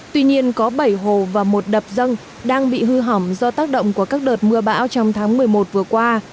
tuy nhiên có bảy hồ và một đập dân đang bị hư hỏng do tác động của các đợt mưa bão trong tháng một mươi một vừa qua